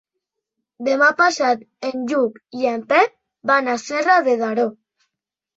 Demà passat en Lluc i en Pep van a Serra de Daró.